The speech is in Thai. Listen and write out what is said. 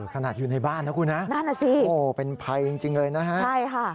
ขนาดอยู่ในบ้านนะคุณฮะนั่นน่ะสิโอ้เป็นภัยจริงเลยนะฮะใช่ค่ะ